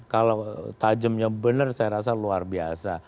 kalau tajamnya benar saya rasa luar biasa